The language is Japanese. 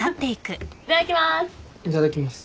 いただきます。